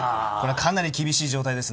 かなり厳しい状態です